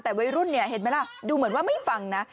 แต่วัยรุ่นเนี่ยเห็นไหมล่ะดูเหมือนว่าไม่ฟังนะ